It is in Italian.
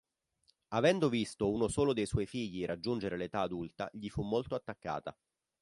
Avendo visto uno solo dei suoi figli raggiungere l'età adulta gli fu molto attaccata.